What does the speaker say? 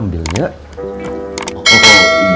setelah datang dari kabin